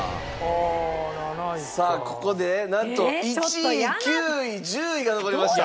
さあここでなんと１位９位１０位が残りました。